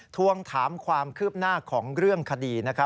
ทวงถามความคืบหน้าของเรื่องคดี